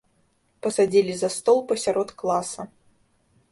Пасадзілі за стол пасярод класа.